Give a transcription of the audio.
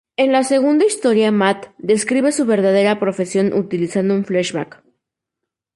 En la segunda historia Matt describe su verdadera profesión utilizando un flashback.